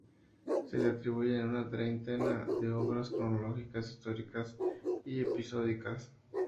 Se le atribuyen una treintena de obras, cronológicas, históricas y episódicas.